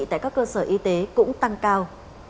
tại các cơ sở y tế cũng tăng cao